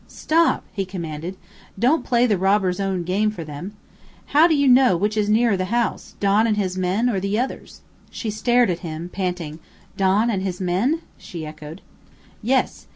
"Stop!" he commanded. "Don't play the robbers' own game for them! How do you know which is nearer the house, Don and his men, or the others?" She stared at him, panting, "Don and his men?" she echoed. "Yes.